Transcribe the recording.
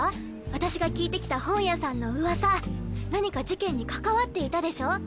私が聞いて来た本屋さんのウワサ何か事件に関わっていたでしょ？